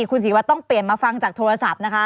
คุณศรีวัตรต้องเปลี่ยนมาฟังจากโทรศัพท์นะคะ